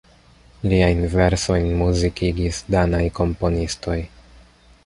Liajn versojn muzikigis danaj komponistoj.